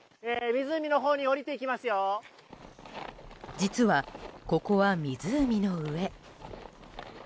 実は、ここは湖の上。